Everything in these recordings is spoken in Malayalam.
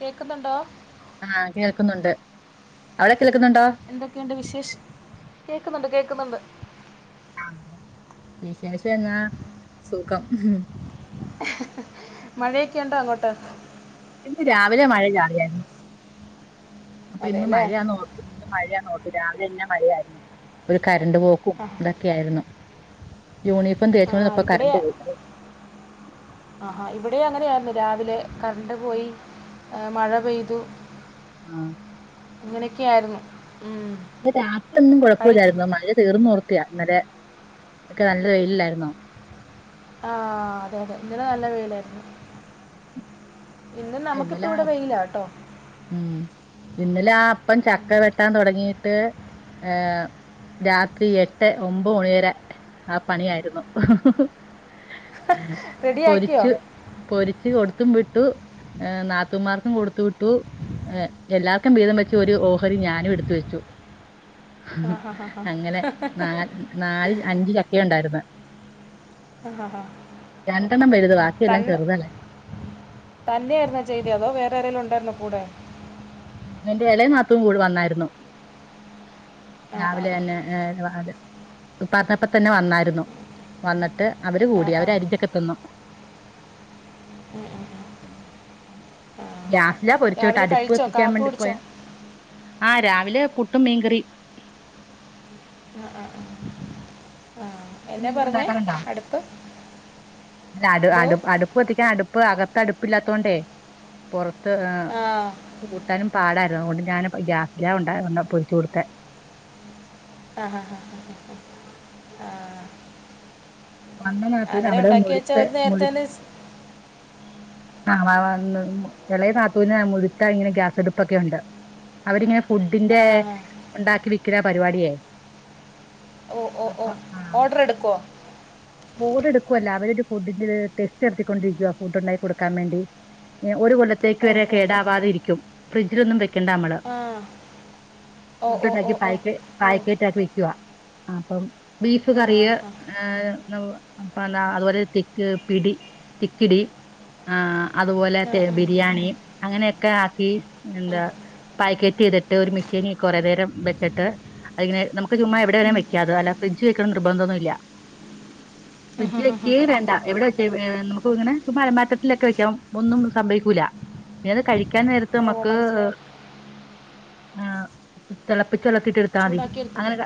കേക്ന്ന്ണ്ടോ ആഹ് കേൾക്നുണ്ട് അ എന്തൊക്കെ ഉണ്ട് വിശേഷം കേക്ന്ന്ണ്ട് കേക് ക്ന്ന്ണ്ട് വിശേഷന്നാ സുഖം മഴയൊക്കെ ഇണ്ടോ അങ്ങോട്ട് ഇന്ന് രാവിലെ മഴ ചാറിയായ്രുന്നു അപ്പ ഇന്ന് അതെല്ലേ മഴയാന്ന് ഓർത്തു ഇന്ന് മഴ ഇന്ന് ഓർത്ത് രാവിലെന്നെ മഴയാരുന്നു ഒര് കരണ്ട് പോക്കും ആ ഇതൊക്കെ ആയിരുന്നു യൂണിഫം ആ, തേച്ചോണ്ട് ഇര്ന്നപ്പം ഇവിടെ കരണ്ട് പോയി അതെ ആഹ് ഇവിടേയും അങ്ങനെ ആയിരുന്നു രാവിലെ കരണ്ട് പോയി മഴ ചെയ്തു. ആഹ് അങ്ങനെക്കെ ആയിരുന്നു ഇന്ന് രാത്രീ ഒന്നും കൊഴപ്പല്ലായിരുന്നു മഴ തീർന്നു ഓ [unintelligible] ഇന്നലെ ഒക്കെ നല്ല വെയിലല്ലായിരുന്നോ ആഹ് അതെ അതെ ഇന്നലെ നല്ല വെയിലായിരുന്നു ഇന്ന് ആഹ് നമുക്കിപ്പോ ഇന്നലെ ഇവിടെ വെയിലാ കേട്ടോ മം ഇന്നലെ ആഹ് അപ്പം ചക്കവിട്ടൻ തുടങ്ങി ട്ട് ഏ രാത്രീ ഓമ്പോണിവര ആഹ് പണിയായിരുന്നു റെഡിയാക്കിയോ പൊരിച്ചു പൊരിച്ച് കൊടു സിമിട്ടു ഏ നാത്തൂമാർക്ക് കൊടുത്തുവിട്ടു ഏ എല്ലാർക്കും വിധംവച്ചു ഒരു ഓഹരി ഞാനും എടുത്തുവച്ചു ആ ആഹ് ഹാ ഹാ ഹാ അങ്ങനെ നാ നാല് അഞ്ചു ചക്കയുണ്ടായിരുന്ന് ഹാ ഹാ രണ്ടണ്ണം പിഴുത് ബാക്കി എല്ലാം തന്നെ ചെറുതല്ലേ ചെയ്തതോ അതോ വേറാരെല്ലും ഉണ്ടായിരുന്നോകൂടെ എന്റെ ഇള്ളോനാത്തൂൻ കൂടെ വന്നായിരുന്നു ആ ആ രാവിലെന്നേ [unintelligible] പത്രാപ്പത്തന്നെ വന്നായിരുന്നു വന്നിട്ട് ആ അവര്കുടി ആ ആ അവര് അറിഞ്ഞോക്കെ തന്നു ഉം ഉം ഉം ആ എല്ലാ പൊരിച്ചുട്ട് രാവിലെ അടുപ്പ് കഴിച്ചോ കാപ്പി കുടിച്ചോ [unintelligible] ആഹ് രാവിലെ പുട്ടും മീൻകറി ആഹ് ആഹ് ആഹ് പുട്ടും മീൻകറിയും ഉണ്ടാക്കാറുണ്ടോ അടുപ്പ് [unintelligible] ദോ അടുപ്പ് കത്തി പ്പൊ അകത്ത് അടുപ്പില്ലാത്തോണ്ടേ പൊറത് ത്ത് ആ കൂട്ടാനും പാടാണ് അതുകൊണ്ട് ഞാന് ഗ്യാസിലാ ഉണ്ടായ കൊണ്ടാ പൊരിച്ച് കൊടുത്തേ ആഹാഹാ ആഹ് അന്ന് നാത്തൂനവടെ മുഴുത്തെ നേരത്തെ മുഴുത് തന്നെ സ്- ആഹ് വാ വന്നു എളയ നാത്തൂന് മുഴുത്ത ഇങ്ങനെ ഗ്യാസടുപ്പൊക്കെയൊണ്ട് അവരിങ്ങനെ ആ ഫുഡിൻ്റേ ഹാ ഹാ ഒണ്ടാക്കി വിക്കലാ പരുപാടിയെ ഓ ഓ ഓഡറെടുക്കുവോ ഓഡറെടുക്കുവല്ല അവരൊരു ഫുഡിൻ്റെത് ടെസ്റ്റ് നടത്തിക്കൊണ്ടിരിക്കുവാ ഫുഡൊണ്ടാക്കി കൊട് ക്കാമ്മേണ്ടി എം ഒരു കൊല്ലത്തേക്ക് ഓ വരെ ഓ ഓ കേടാവാതെയിരിക്കും ഫ്രിഡ്ജിലൊന്നും വെക് ക്കണ്ടാ മ്മള് ആ ഓ ഓ ഓ ഫുഡുണ്ടാക്കി ഓ പായ്ക്ക് ഓ പായ്ക്കറ്റാക്കി വെക്കുവാ ആപ്പം ബീഫ് ആ കറിയ് ഹാ അഹ് നൗ അപ്പാന്നാ അതുപോലെ തിക്ക് പിടി തിക്കിടി ആഹ് അതുപോലെ ആ ആ തേ ബിരിയാണീ അങ്ങനെയൊക് ക്കെ ആക്കി ആ നല്ല പായ്ക്കറ്റ് റ്റെയ്തിട്ട് ഒരു മിഷേനീ കൊറേ നേരം വെച്ചിട്ട് അയിങ്ങനെ നമുക്ക് ചുമ്മാ എവിടെ ഉം. വേണേവെക്കാം അത് അല്ല ഫ്രിഡ്ജിൽ വെക്കണമെന്ന് നിർബന്ധമില്ല. ആ, ഫ്രിഡ്ജീ ഹാ, ഹാ, ഹാ. വെക്ക്യേ വേണ്ട എവിടെ വെച് എവ് ഏ നമുക്ക് ഇങ്ങനെ [unintelligible] ലൊക്കെ വെക്കാം ഒന്നും സംഭവിക്കൂല പിന്നത് കഴി ക്കാൻ നേരത്ത് ഓ നമ്മക്ക് മനസ്സിലായി ആഹ് തെളപ്പിച് ച്ച വെള്ളത്തീട്ടെടുത്താ മതി ചൂടാക്കി എടുത്തത് അങ്ങനെ ക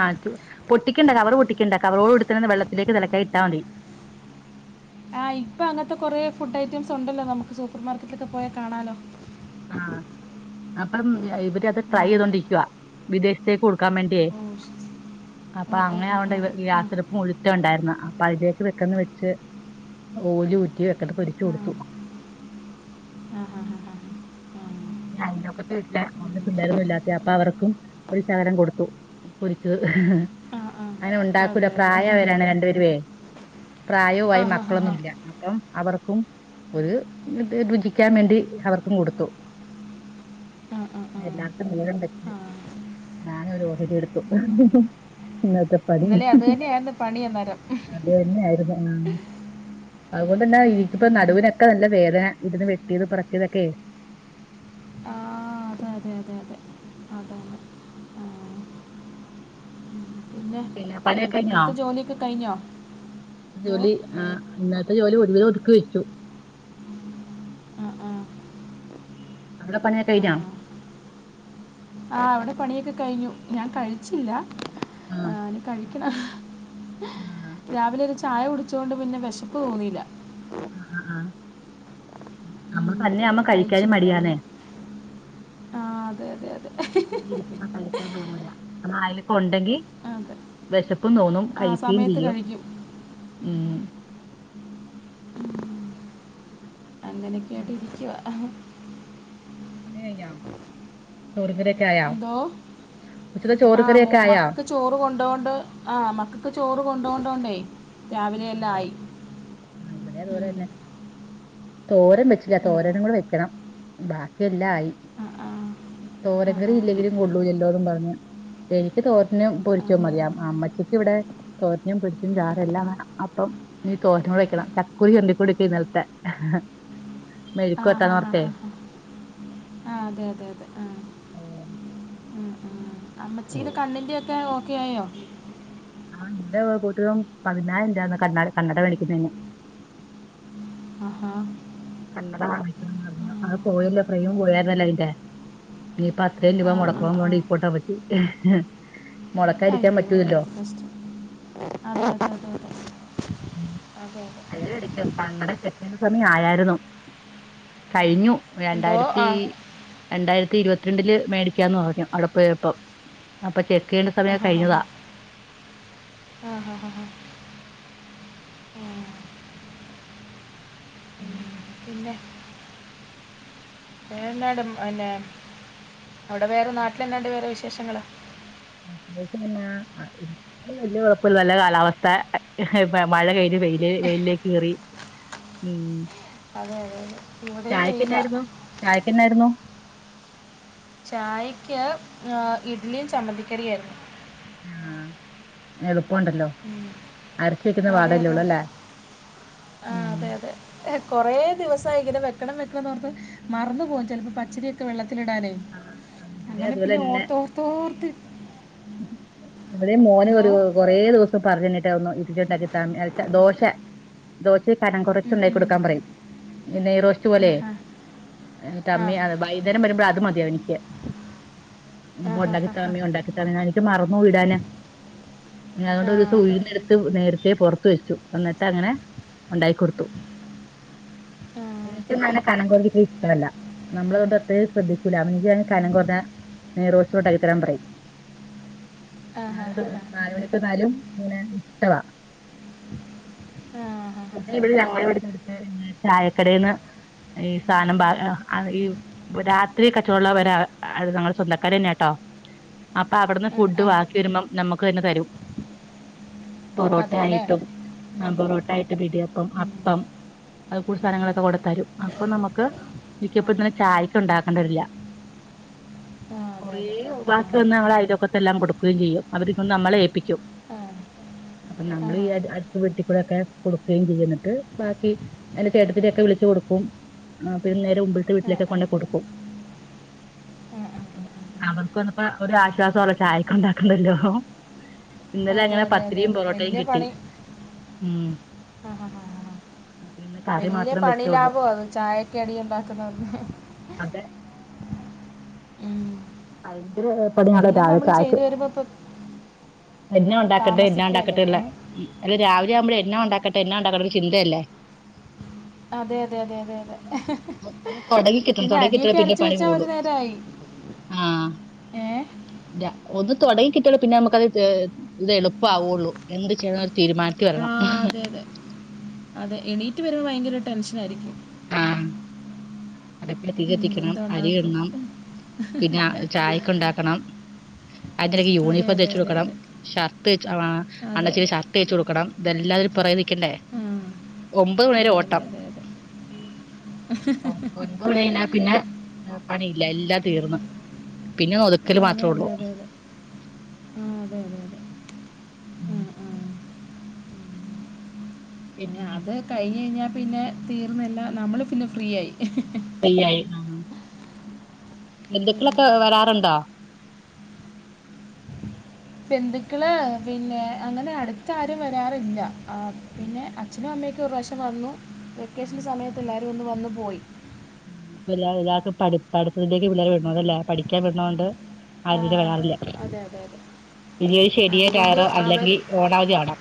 ആ റ്റു പൊട്ടിക്കേണ്ട കവറ് പൊട്ടിക്കേണ്ട കവറോടുകൂടി തന്നെ വെള്ളത്തിലേക്ക് തിളക്കാൻ ഇട്ടാമതി. ആഹ് ഇപ്പൊ അങ്ങനത്തെ കൊറേ ഫുഡ് ഐറ്റെംസുണ്ടല്ലോ നമുക്ക് സൂപ്പർ മാർക്കറ്റിലൊക്കെ പോയാ കാണാല്ലോ. ആ അപ്പം ഇവരതു ആ ട്രൈ ചെയ്തോണ്ടിരിക്കുവാ വിദേശത്തേക്ക് കൊടുക്കാൻ വേണ്ടിയേ, ഓ ശരി ഓ അപ്പം ഓ ഓ ഓ അങ്ങനെയതുകൊണ്ട് ഗ്യാസടുപ്പ് മുഴുത്തെ ഉണ്ടായിരുന്നു അപ്പം അതിലേക്ക് പെട്ടന്നു വെച്ച് നൂലുചുറ്റി പെട്ടന്നു പൊരിച്ചു ആ കൊടുത്തു. ആ ആ ഹാ ഹാ ഹാ ആ ഉം. ഈ അയലോക്കത്തെ വീട്ടിലെ ഓമന പിള്ളേരൊന്നു ഇല്ലാത്തെയാ അപ്പം അവർക്കും ഒരു ശകലം കൊടുത്തു. പൊരിച്ചത്, ആ ആ അങ്ങനെ ഒണ്ടാക്കൂല അതെ അതെ പ്രായായവരാണെ രണ്ടു പേരുവേ ആ പ്രായോവായി ഹാ ഹാ ഹാ മക്കളൊന്നുമില്ല അപ്പം അവർക്കും ഒരു ഇത് രുചിക്കാൻ വേണ്ടി അവർക്കും കൊടുത്തു. ആ ആ ആ എല്ലാർക്കും വീതം വെച്ച് ആ ഞാനൊരു ഓഹരിയെടുത്തു. ഇന്നത്തെ പണി ഇന്നലെ അത് തന്നെയായിരുന്നു പണി അന്നേരം അത് തന്നെയായിരുന്നു. ഉം അത് കൊണ്ടെന്നാ ഉം, എനിക്ക് ഇപ്പോ ഉം. നടുനൊക്കെ നല്ല വേദന ഇരുന്നു വെട്ടിയതും പെറുക്കിയതുമെക്കെ ആ അതെ അതെ അതെ അതെ അതാണ് ആ ഉം. പിന്നെ ഏ, [inaudible] കഴിഞ്ഞോ ഇന്നത്തെ ജോലിയൊക്കെ കഴിഞ്ഞോ ഇതോ ജോലി ആ ഇന്നത്തെ ജോലി ഒരു വിധം ഒതുക്കി വെച്ചു ആ ആ ആ അവിടെ പണിയൊക്കെ കഴിഞ്ഞോ. ആ ആ ഇവിടെ പണിയൊക്കെ കഴിഞ്ഞു ഞാൻ കഴിച്ചില്ല. ആ ഇനി കഴി ആഹ് ആ, രാവിലെ ഒരു ചു ചായ കുടിച്ചോണ്ട് പിന്നെ വിശപ്പ് തോന്നില്ല. ആ ഞമ്മൾ ഉം, [inaudible] അപ്പൊ തന്നെയാമ്പോൾ പിന്നെ കഴിക്കാനും കഴിച്ചില്ല ഞാൻ മടിയാന്നേ അതെ-അതെ-അതെ തന്നെയിരിക്കുമ്പോൾ കഴിക്കാൻ തോന്നില്ല. ആരെങ്കിലുക്കെ ഉണ്ടെങ്കിൽ അതെ വിശപ്പും തോന്നും ആ കഴിക്കുകയും സമയത്ത് ചെയ്യും. കഴിക്കും അങ്ങനെ ഒക്കെ ഉം. ആയിട്ട് ഇരിക്കുവാ പണി കഴിഞ്ഞോ ചോറും കറി എന്തോ ആ മോ കറിയൊക്കെ ആയോ മക്കക്ക് ചോറു കൊണ്ടോണ്ടോ ആ മക്കക്ക് ചോറു കോൺ ടോൺ ഡോ ണ്ടയ് രാവിലെല്ലായി ആ ഇവിടേതു പോലെ തന്നെ തോരൻ വച്ചിട്ടില്ല തോരനും കൂടി വെക്കണം ബാക്കിയെല്ലാം ആയി ആ, ആ, ആ, ആ, തോരൻ കറി ആ, ഇല്ലങ്കിലുംകൊള്ളും ന്നല്ലാരും പറഞ്ഞു എനിക്കെ തോരനും പൊരിച്ചതും അതെ മതി അതെ അമ്മച്ചിക്കിവിടെ തോരനും പൊരിച്ചതും ചാറും എല്ലാം വേണം അപ്പം തോരനും കൂടി വെക്കണം താക്കോയി എന്തികൊടുക്കി ഇന്നലത്തെ ഹെ ഹെ മെയ്ക്ക് ആ പുരട്ടാൻ ഹാ ഹാ പറഞട്ടെ ഹാ ഹാ ആ അതെയെതെതെ ആ അമ്മച്ചിന്റെ കണ്ണിന്റെ ഒക്കെ ഓക്കേ ആയോ ആ ആ ഇന്റെ കുട്ടിലും പതിനായിരം ഇല്ല കണ്ണട കണ്ണട വാങ്ങിക്കുന്നതിന് ആഹാ കണ്ണട വാങ്ങിക്കുന്നതറിഞ്ഞു ആ ഉം. പോയല്ലോ ഫ്രെയിമ് കൂടെയതിന്റെ ഇനി പ്പോ അത്രെയും രൂപ ആ ആ മുടക്കണം ആ പറഞ്ഞോണ്ട് ഇപ്പോട്ടോ പറ്റി ഹെ ഹെ മുടക്കാതിരിക്കാം പ.. നെസ്റ്റ് മ്മ് അതെ അതെ അതിനിടക്ക് കണ്ണട സെറ്റ് ന്ന് പറഞ്ഞു ആയായിരുന്നു കഴിഞ്ഞു എന്തോ രണ്ടായിരത്തീ ആ രണ്ടായിരത്തി ഇരുപത്തി രണ്ടിൽ മേടിക്കാന്ന് പറഞ്ഞു അവിടെ പോയപ്പോ അപ്പോ ചെക്കയേണ്ട ആ സമയം ഹാ ഹാ ഹാ കഴിഞ്ഞതാ ആ ഹാ ഹാ ഹാ ആ പിന്നാം പിന്നെ എന്നാടാ മോനെ അവിടെ വേറെ നാട്ടിൽ എന്നണ്ട് വേറെ വിശേ വിശേഷങ്ങള് ദിവസം പെന്നെ ആ ഇന്ന് വല്ല്യ കുഴപ്പമില്ല നല്ല കാലാവസ്ഥ ആ എ ഹെ മഴ വെയില് വെയില് വെയിലേക്ക് കയറി മ്മ് അതെ അതെ അതെ ഇവിടെയും വെയിലാ ചായക്കാന്നായിരുന്നു ചായ എന്നായിരുന്നു എ ചായക്ക് ഏ ഇഡ്ലിയും ചമ്മന്തി കറിയും ആയിരുന്നു ആ എളു പ്പോണ്ടല്ലോ ഉം. അരച്ച് വെക്ക്ക്കുന്ന അതെ പാടെല്ലെ അതെ ള്ളു അതെ അല്ലെ മ്മ് കൊറേ ദിവസായി ഇങ്ങനെ വെക്കണം വെക്കണം ന്ന് ഓർത്ത് മറന്ന്പ്പോവും ചെലപ്പോ പച്ചരി ഒക്കെ വെള്ള ത്ത്ലിടാനെ ആഹ് ഇവിടെ അങ്ങനെ പിന്നെ അതുപോലെന്നെ ഓർത്തോ ർത്തോർത്ത് മ്മളെ എന്തോ മോനെരു കൊറേ ദിവസ്‌ ഇപ്പ പറഞ്ഞിന്ന്ട്ടെ ഒള്ളൂ ഇൻക് ഉണ്ടാക്കി ത്താ ദോശ ദോശ കനം കുറച്ച് ഉണ്ടാക്കി കൊടുക്കാൻ പറയും ഈ നെയ്റോസ്റ്റ് പോലെ ആഹാ. എന്നിട്ട് ആ. അമ്മി അത് ബൈന്നേരം വരുമ്പം അത് മതിയാവും എനിക്ക് ഇപ്പ ഉണ്ടാക്കി താ ആഹാഹാഹാ. ഉമ്മി ഉണ്ടാക്കി ഇത് മറന്നു ഇടാന് ഇഞ്ഞ് അതോണ്ട് ആ. ഒരൂസം ഉഴുന്ന് എടുത്ത് നേരത്തെ പൊറത്ത് വെച്ചു എന്നിട്ട് അങ്ങനെ ഉണ്ടാക്കി കൊടുത്തു ആ. ഇൻക്ക് ഇന്നങ്ങനെ കനം കൊറഞ്ഞിട്ട് ഇഷ്ടല്ല നമ്മൾട്ട് എതേം ശ്രദ്ധിക്കൂല ഉമ്മച്ചി കനം കൊറഞ്ഞാ നെയ് റോസ്റ്റ് ണ്ടായി തരാം പറയിം നന്ദു ആഹാഹാഹാ. നാലുമണിക്ക് വന്നാലും ഇങ്ങനെ ഇഷ്ടവാ പിന്നെ ആഹാഹാഹാ. ഇവിടെ ഞങ്ങളെവിടുത്ത് ന്ന് ചായ കടെന്ന് ഈ സാനം ബാ അ ഇ രാത്രി കച്ചോള്ളവര അ അ ര ഞങ്ങളെ സ്വന്തക്കാരെന്നെട്ടോ അപ്പ അവ്ട്ന്ന് ആ, ഫുഡ്‌ ആ. വാക്കി വരുമ്പം നമ്മക്ക് തന്നെ ത രും അതേല്ലേ? പൊറോട്ടായിട്ടും ഉം. നമ്പറോ ഇണ്ടായിട്ട് ഇപ്പ ഇടിയപ്പം ഉം. അപ്പം അത് പോൽ സാനങ്ങളൊക്കെ കൊണ്ടെത്തരും അപ്പ നമ്മക്ക് ആ. മിക്കപ്പത്തിന് ചായക്ക് ഉണ്ടാക്കേണ്ടിര് ല ആ, അതെ, കൊറേ അതെ. ആ. ബാക്കി വന്നാല് ഞങ്ങളെ അയലൊക്കെതെല്ലാം കൊടുക്കെയും ചെയ്യും അവര് ഇപ്പ നമ്മളെ ഏല്പിക്കും ആ. അപ്പ ആ. ആ, നമ്മള് ആ. ഈ അടുത്ത വീട്ടിക്കൂടെക്കെ കൊടുക്കെയും ചെയ്യും എന്നിട്ട് ബാക്കി എന്റെ ചേട്ടത്തിനെക്കെ വിളിച്ച് കൊട്ക്കും. പിന്നെ നേരെ മുമ്പിൽത്തെ ആ, വീട്ടിലൊക്കെ ആ, ആ, ആ. കൊണ്ടേ കൊട്ക്കും അവർക്കത്പ്പ ഇപ്പ ഒരു ആശ്വാസാണ് ചായക്ക് ഉണ്ടാക്കണ്ടല്ലൊ ഹെ ഹെ അതെ ഇന്നലങ്ങനെ അതെ അതെ പത്തിരിം അതെ പൊറോട്ടയും വലിയ കിട്ടി പണി ൻ മ്മ് കറി ബല്ല്യ മാത്രം പണി വെച്ചോള്ളൂ ലാഭാ ചായക്കടി ഇണ്ടാക്ക്ന്നതൊക്കെ അതെ അയ് [unintelligible] നാളെ എല്ലാം രാവിലെ നമ്മൾ ചായക്ക് ചെയ്തു വരുമ്പോൾ ഇപ്പം എന്നാ ഉണ്ടാക്കെണ്ടേ എന്ന താമസിക്കുമല്ലേ ഏ ഇണ്ടാക്കെട്ടള്ളെ ഈ എല്ല രാവിലെ ആവ്മ്പഴെ എന്ന ഒണ്ടാക്കണ്ടേ എന്ന ഒണ്ടാക്കണ്ടേ ചിന്തയല്ലെ അതെ അതെ അതെ അതെ അതെ ഒ ഒന്ന് തൊടങ്ങി കിട്ടണം പിന്നെ തൊടങ്ങി കിട്ടിയാ അരിയൊക്കെ പിന്നെ അരച്ച് പണി വെച്ചാൽ ഒരു കൂടും നേരമായി ആ ഏ ര ഒന്ന് തൊടങ്ങി കിട്ട്യാ പിന്നെമ്മക്കത് ത് എന്ത് എളുപ്പാവുള്ളു എന്ത് ചെയ്യാണെന്ന് തീരുമാനത്തി ആ വരണം അതെ അതെ അതെ എണീറ്റ് വര്മ്പ ഭയങ്കര ടെൻഷനാരിക്കും ആ [unintelligible] ഉം, തീകത്തിക്കണം എന്തോ അരി ഉണ്ടാക്കും ഇടണം പിന്നെ അ ചായക്ക് ഒണ്ടാക്കണം അയിന്റെടക്ക് അതെ യൂണിഫോം അതെ തേച്ച് അതെ വെക്കണം അതെ ഷർട്ടേച്ച് അ അതെ അണ്ണച്ചിടെ അതെ ഷർട്ടേച്ചൊട്ക്കണം ഇതെല്ലാരു പൊറേനിക്കണ്ടെ ഉം ഒമ്പത് വരെ ഓട്ടം [unintelligible] മണി കഴിഞ്ഞ പിന്നെ ന്നെ പണി ഇല്ല എല്ലാം തീർന്നു പിന്നെ ഒതുക്കല് അതെ അതെ മാത്രോള്ളു അതെ അതെ ആ അതെ അതെ അതെ ആ ആ ആ, പിന്നെ അത് കഴിഞ്ഞഴിഞ്ഞാ പിന്നെ തീർന്ന് എല്ലാ നമ്മള് പിന്നെ ഫ്രീ ആയി വയ്യായി ആ ബന്ധുകളൊക്കെ വരാറുണ്ടോ ബന്ധുക്കള് പിന്നെ അങ്ങനെ അടുത്ത് ആരും വരാറില്ല ആ പിന്നെ അച്ഛനും അമ്മയ് ക്കെ ഒരുറാശം വന്നു വെക്കേഷൻ്റെ സമയത്ത് ഇണ്ടായി ഒന്ന് വന്ന് പോയി ഉം [unintelligible] പഠി പഠിത്തത്തിലേക്ക് പിള്ളാരെ [unintelligible] പഠിക്കാൻ വിടണോണ്ട് ആ [unintelligible] വരാറില്ല അതെ അതെ അതെ പിന്നെയൊരു ശനിയോ അതുകൊണ്ട് ഞായറോ അവർ അല്ലെങ്കി ഓണാവധി ആവണം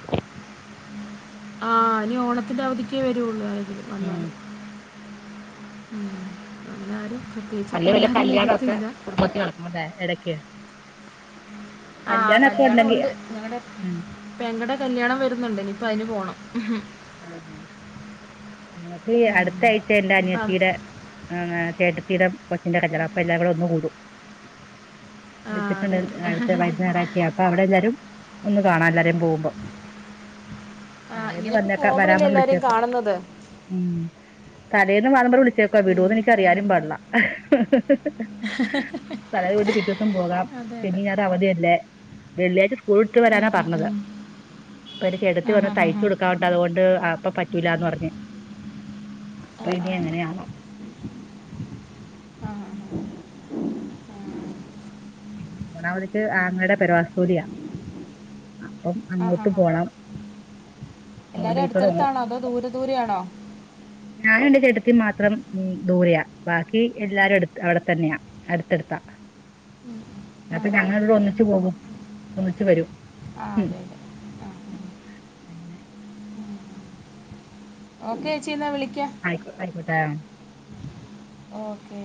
ആ ഇനി ഓണത്തിൻ്റെ അവധിക്കെ വരുള്ളൂ അവര് ഉം അന്നാലും ഉം അങ്ങനാരും അല്ലെ വല്ല കല്യാണക്കെ കുടുംബത്തി നടക്കണംല്ലേ എടയ് ക്ക് ആ കല്യാണം ഒണ്ട് ഞങ്ങടെ ഉം പെങ്ങടെ കല്യാണം വരുന്നുണ്ട് ഇനി പ്പയിന് പോണം ആ ഞങ്ങക്കീ ഉം. അടുത്താഴ്ച എൻ്റെ ഇപ്പം അനിയത്തീടെ ഏ ചേടത്തിടെ കൊച്ചിൻ്റെ കല്യാണപ്പല്ലാം കൂടെ ഒന്ന് കൂടും ആ അതെ [unintelligible] അതെ അടുത്ത വരുന്ന ഞായറാഴ്ചയാ ആപ്പ അവിടെല്ലാരും ഒന്ന് കാണാം എല്ലാരേം പോവുമ്പോ ഇങ്ങനെക്കെ പോ വുമ്പളല്ലേ എല്ലാരേം കാണുന്നത് ഉം കരേന്ന് [unintelligible] വിളി ച്ചക്ക ഉം. വിടോന്ന് എനിക്കറിയാനും പാടില്ല തലേന്ന് പോയിട്ട് പിറ്റേസം പോവാം അതെ അതെ ശനീം ഞായറും അവധി അല്ലേ വെള്ളിയാഴ്ച സ്‌കൂളുവിട്ട് ഉം, വരാനാ ഉം, പറഞ്ഞത് ഉം. അപ്പ ൻ്റെ ചേട്ടത്തി ആ പറഞ്ഞു ഹാ ഹാ തയ്ച്ചു ഹാ കൊടുക്കാ ണ്ട് അപ്പ പറ്റൂലാന്ന് പറഞ്ഞ് ആ ആ പ്പഞി എങ്ങനാണോ ആ ഹാ ഹാ ഹാ പിന്നെ അവടെ അവർക്ക് അങ്ങളടെ പെരവാർപ്പൂടിയാ ആഹ് അപ്പം അങ്ങോട്ട് പോണം അതുകൊണ്ട് എല്ലാരും ഇപ്പൊ അടുത്തടുത്തണോ അതോ ദൂരെ ദൂരെ ആണോ ഞാനും എന്റെ ചേട്ടത്തിയും മാത്രം ഉം ദുരെയാ ബാക്കി എല്ലാരും അടുത്ത് അവിടെ തന്നെയാ അടുത്തടുത്താ ആ ഞങ്ങൾ രണ്ടു ഒന്നിച്ചു പോകും ഒന്നിച്ചുവരും ആ ഉം അതെ അതെ ആ ഒക്കെച്ചി എന്നാവിളി- ആയിക്കോട്ടെ ആയിക്കോട്ടെ ഒക്കെ